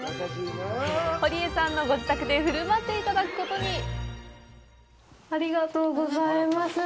堀江さんのご自宅で振る舞っていただくことにありがとうございます。